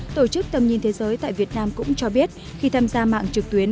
tổ chức tầm nhìn thế giới tại việt nam cũng cho biết khi tham gia mạng trực tuyến